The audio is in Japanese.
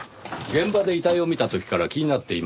現場で遺体を見た時から気になっていました。